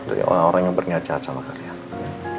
dari orang orang yang berniat nihat sama kalian